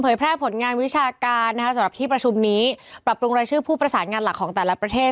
แพร่ผลงานวิชาการนะคะสำหรับที่ประชุมนี้ปรับปรุงรายชื่อผู้ประสานงานหลักของแต่ละประเทศ